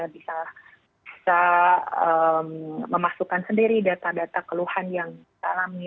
bisa memasukkan sendiri data data keluhan yang kita alami